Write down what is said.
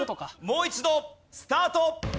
もう一度スタート。